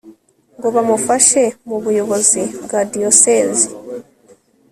ngo bamufashe mu buyobozi bwa Diyosezi